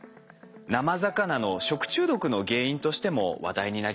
生魚の食中毒の原因としても話題になりましたよね。